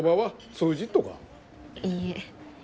いいえ。